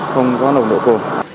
không có nồng độ cồn